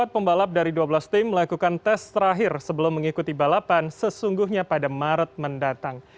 empat pembalap dari dua belas tim melakukan tes terakhir sebelum mengikuti balapan sesungguhnya pada maret mendatang